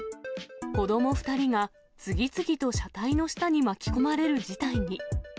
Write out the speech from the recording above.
子ども２人が次々と車体の下に巻き込まれる事態に。